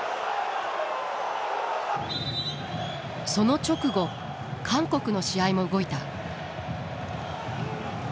その直後韓国の試合も動いた。